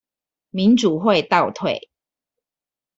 民主會倒退